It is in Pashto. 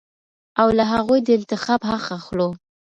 او له هغوى د انتخاب حق اخلو.